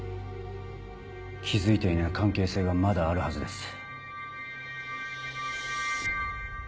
気付いていない関係性がまだあるはずです。